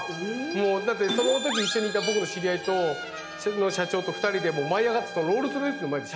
もうだってその時一緒にいた僕の知り合いの社長と２人でもう舞い上がってそのロールスロイスの前で写真とか撮ってましたからね。